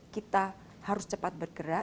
kita harus cepat bergerak